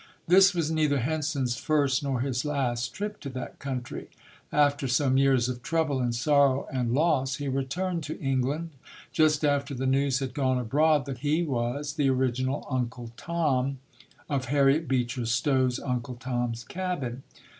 This was neither Henson's first nor his last trip to that country. After some years of trouble and sorrow and loss, he returned to England, just after the news had gone abroad that he was the original "Uncle Tom" of Harriet Beecher Stowe's "Uncle Tom's Cabin".